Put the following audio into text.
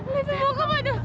livi mau kemana